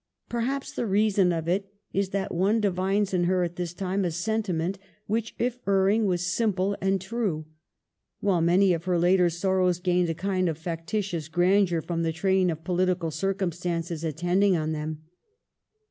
Perhaps the reason of it is that one divines in her at this time a sentiment which, if erring, was simple and true, while many of her later sorrows gained a kind of factitious grandeur from the train of political circumstances attend ant on them.